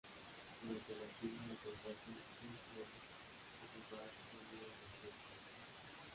Durante la firma de contrato, Erick Rowan y Ryback se unieron a Team Cena.